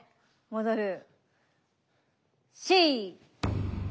戻る。